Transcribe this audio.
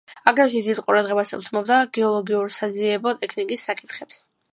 აგრეთვე დიდ ყურადღებას უთმობდა გეოლოგიურ-საძიებო ტექნიკის საკითხებს.